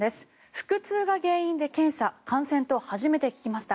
腹痛が原因で検査感染と初めて聞きました。